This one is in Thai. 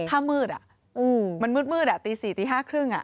ถ้ามืดอ่ะมันมืดอ่ะตี๔ตี๕ครึ่งอ่ะ